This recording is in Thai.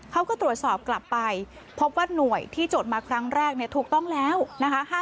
เขาก็ตรวจสอบกลับไปพบว่าหน่วยที่จดมาครั้งแรกถูกต้องแล้วนะคะ